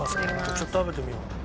ちょっと食べてみよう。